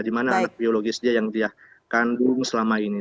di mana anak biologis dia yang dia kandung selama ini